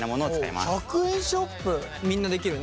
みんなできるね。